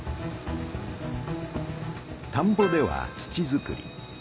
たんぼでは土づくり。